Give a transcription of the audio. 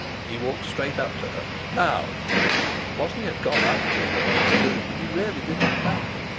He walked straight up to her. "Now!" What he had gone up to her to do he really did not know.